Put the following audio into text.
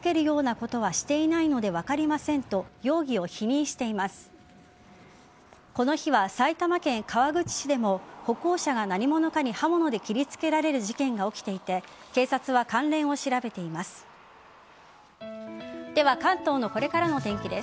この日は埼玉県川口市でも歩行者が何者かに刃物で切りつけられる事件が起きていて警察は関連を調べています。